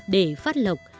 để phát lộc